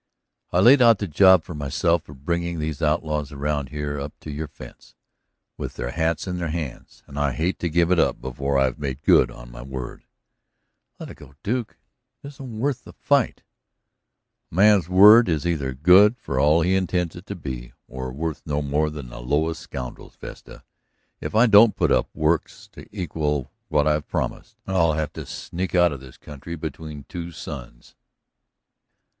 "I laid out the job for myself of bringing these outlaws around here up to your fence with their hats in their hands, and I hate to give it up before I've made good on my word." "Let it go, Duke; it isn't worth the fight." "A man's word is either good for all he intends it to be, or worth no more than the lowest scoundrel's, Vesta. If I don't put up works to equal what I've promised, I'll have to sneak out of this country between two suns."